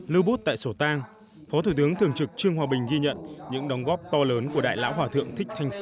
lưu bút tại sổ tang phó thủ tướng thường trực trương hòa bình ghi nhận những đóng góp to lớn của đại lão hòa thượng thích thanh xuân